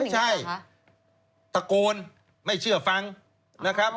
ใช่ตะโกนไม่เชื่อฟังนะครับ